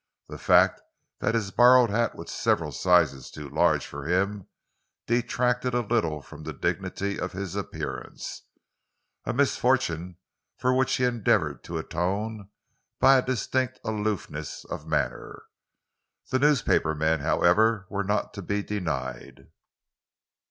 The fact that his borrowed hat was several sizes too large for him detracted a little from the dignity of his appearance, a misfortune for which he endeavoured to atone by a distinct aloofness of manner. The newspaper men, however, were not to be denied.